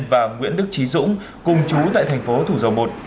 và nguyễn đức trí dũng cùng chú tại thành phố thủ dầu một